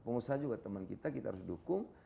pengusaha juga teman kita kita harus dukung